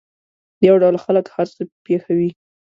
یو ډول خلک هر څه پېښوي.